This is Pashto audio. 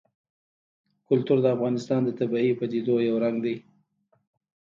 کلتور د افغانستان د طبیعي پدیدو یو رنګ دی.